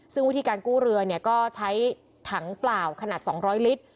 ซึ่งวิธีการกู้เรือก็ใช้ถังเปล่าขนาด๒๐๐ลิตร